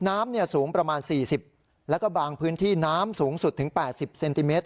น้ำสูงประมาณ๔๐แล้วก็บางพื้นที่น้ำสูงสุดถึง๘๐เซนติเมตร